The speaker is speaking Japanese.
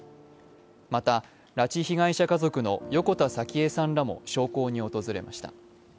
また、拉致被害者家族の横田早紀江さんらも焼香に訪れました。